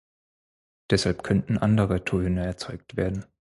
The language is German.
Deshalb könnten andere Töne erzeugt werden.